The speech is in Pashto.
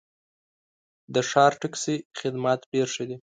د ښار ټکسي خدمات ډېر ښه دي.